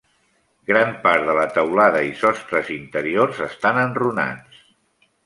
Gran part de la teulada i sostres interior estan enrunats.